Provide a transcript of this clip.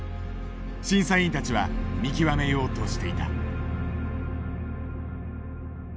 審査委員たちは見極めようとしていた。